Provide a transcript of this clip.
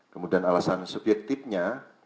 kemudian alasan subjektifnya